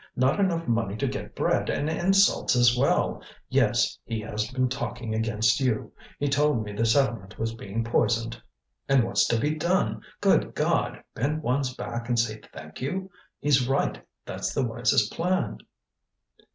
Not enough money to get bread, and insults as well! Yes, he has been talking against you; he told me the settlement was being poisoned. And what's to be done? Good God! bend one's back and say thank you. He's right, that's the wisest plan."